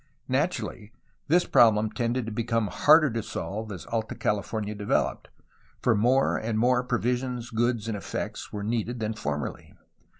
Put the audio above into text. Naturally, this problem tended to become harder to solve as Alta Cah fomia developed, for more and more provisions, goods, and effects were needed than formerly.